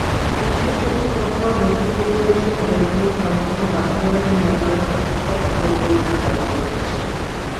দেশটির কর্তৃপক্ষ দক্ষিণ-পূর্ব এশিয়ার দেশগুলোর সংগঠন আশিয়ানে মিয়ানমারের সদস্যপদ পুনর্বিবেচনার দাবি করেছে।